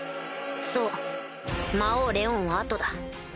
そう魔王レオンは後だ。